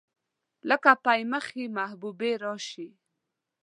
لکه پۍ مخې محبوبې راشي